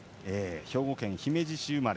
兵庫県姫路市生まれ